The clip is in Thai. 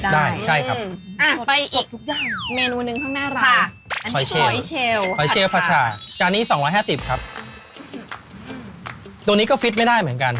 อันนี้รสชาติคือจัดต้านเหมือนกัน